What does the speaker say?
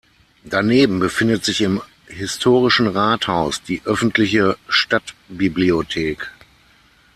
Daneben befindet sich im historischen Rathaus die öffentliche Stadtbibliothek.